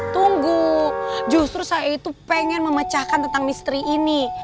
tunggu justru saya itu pengen memecahkan tentang misteri ini